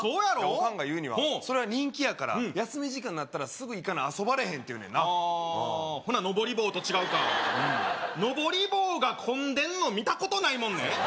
オカンが言うにはそれは人気やから休み時間なったらすぐ行かな遊ばれへんって言うねんなあほなのぼり棒と違うかのぼり棒が混んでんの見たことないもんね